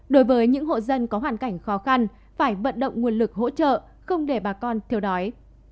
đối với những hộ dân có hoàn cảnh khó khăn phải vận động nguồn lực hỗ trợ không để bà con thiếu đói